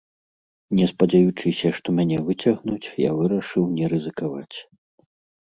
Не спадзяючыся, што мяне выцягнуць, я вырашыў не рызыкаваць.